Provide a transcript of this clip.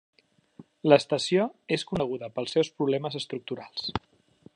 L'estació és coneguda pels seus problemes estructurals.